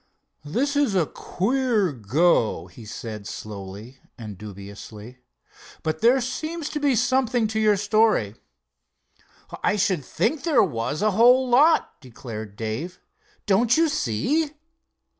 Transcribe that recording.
"This is a queer go," he said, slowly and dubiously, "but there seems to be something to your story." "I should think there was, a whole lot," declared Dave. "Don't you see?"